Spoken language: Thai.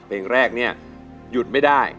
เพลงแรกเนี่ยหยุดไม่ได้